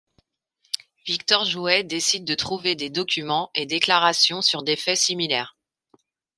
Victor Jouët décide de trouver des documents et déclarations sur des faits similaires.